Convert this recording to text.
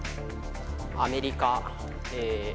アメリカ。